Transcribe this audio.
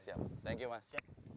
siap thank you mas